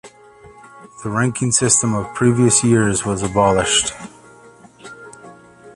The ranking system of previous years was abolished.